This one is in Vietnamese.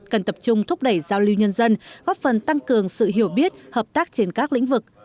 cần tập trung thúc đẩy giao lưu nhân dân góp phần tăng cường sự hiểu biết hợp tác trên các lĩnh vực